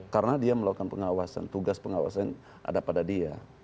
karena dia melakukan pengawasan tugas pengawasan ada pada dia